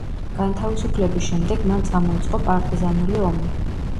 განთავისუფლების შემდეგ მან წამოიწყო პარტიზანული ომი.